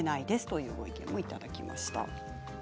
というご意見もいただきました。